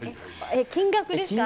金額ですか？